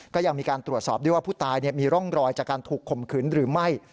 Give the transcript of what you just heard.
ก็ยังมีการตรวจสอบด้วยว่าผู้ตายมีร่องรอยจากการถูกข่มขืนหรือไม่